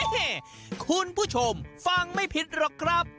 คุณผู้ชมฟังไม่ผิดหรอกครับ